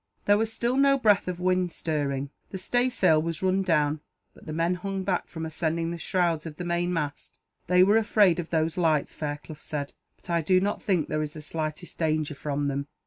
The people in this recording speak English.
There was still no breath of wind stirring. The stay sail was run down, but the men hung back from ascending the shrouds of the main mast. "They are afraid of those lights," Fairclough said, "but I do not think there is the slightest danger from them."